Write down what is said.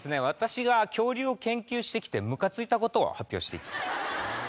私が恐竜を研究してきてムカついたことを発表していきます。